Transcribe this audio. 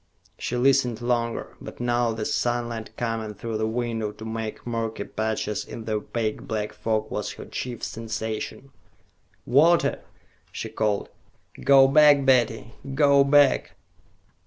She listened longer, but now the sunlight coming through the window to make murky patches in the opaque black fog was her chief sensation. "Walter!" she called. "Go back, Betty, go back!"